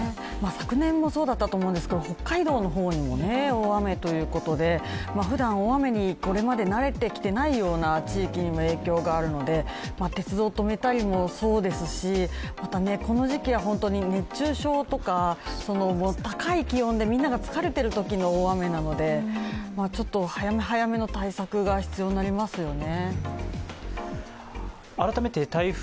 昨年もそうだったと思うんですが、北海道の方にも大雨ということでふだん、大雨にこれまで慣れてきていないような地域にも影響があるので鉄道止めたりもそうですしこの時期は本当に熱中症とか高い気温でみんなが疲れているときの大雨なので、ちょっと早め早めの対策が必要になりますよね。